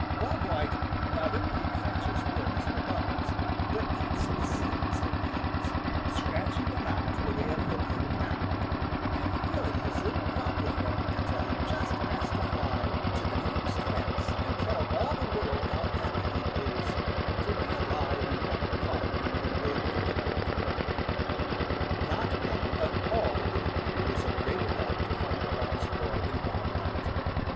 Bob White not only catches worms and bugs, but eats the seeds of weeds, scratching them out where they have hidden in the ground, and filling his little crop with them until he just has to fly to the nearest fence and tell all the world how happy he is to be alive and have a part in the work of the Great World. Not one of all the little people is of greater help to Farmer Brown's boy than Bob White.